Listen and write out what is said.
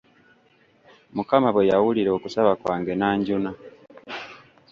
Mukama bwe yawulira okusaba kwange n'anjuna.